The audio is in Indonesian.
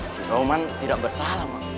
si roman tidak bersalah pak